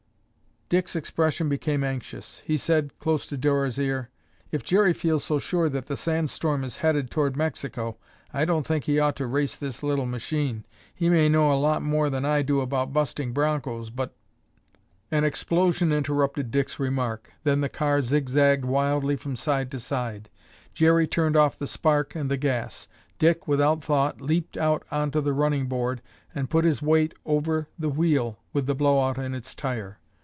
Dick's expression became anxious. He said, close to Dora's ear, "If Jerry feels so sure that the sand storm is headed toward Mexico, I don't think he ought to race this little machine. He may know a lot more than I do about busting bronchos, but—" An explosion interrupted Dick's remark, then the car zigzagged wildly from side to side. Jerry turned off the spark and the gas. Dick, without thought, leaped out onto the running board and put his weight over the wheel with the blow out in its tire.